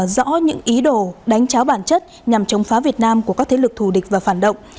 rõ những ý đồ đánh cháo bản chất nhằm chống phá việt nam của các thế lực thù địch và phản động